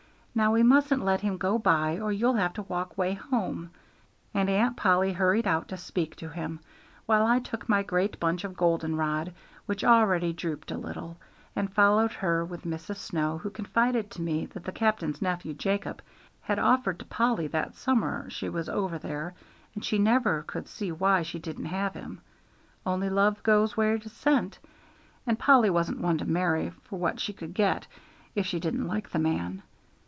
"Now we mustn't let him go by or you'll have to walk 'way home." And Aunt Polly hurried out to speak to him, while I took my great bunch of golden rod, which already drooped a little, and followed her, with Mrs. Snow, who confided to me that the captain's nephew Jacob had offered to Polly that summer she was over there, and she never could see why she didn't have him: only love goes where it is sent, and Polly wasn't one to marry for what she could get if she didn't like the man.